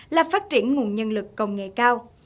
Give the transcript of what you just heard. là phát triển nguồn nhân lực công nghệ cao